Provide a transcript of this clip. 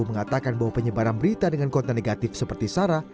mengatakan bahwa penyebaran berita dengan konten negatif seperti sarah